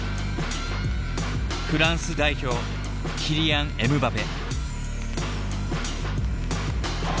フランス代表キリアン・エムバペ。